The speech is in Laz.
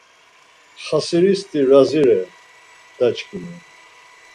Xasiristi razi re, dadiçkimi